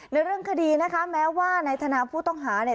เรื่องคดีนะคะแม้ว่านายธนาผู้ต้องหาเนี่ย